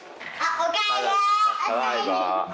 おかえり！